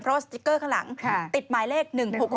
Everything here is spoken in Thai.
เพราะว่าสติ๊กเกอร์ข้างหลังติดหมายเลข๑๖๖